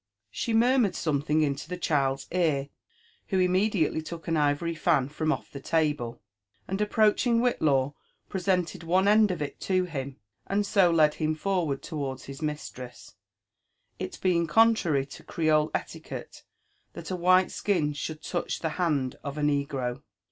She murmured something into the child's ear, who immediately took an ivory fan from off a table, and approaching Whillaw, presented one end of it to him, and so led him forward towards his mistress, it being contrary to creoIe etiquette that a white skin should touch the band of a negro.